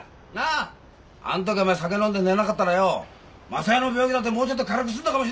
あんときはお前酒飲んで寝なかったらよ昌代の病気だってもうちょっと軽く済んだかもしれないからな！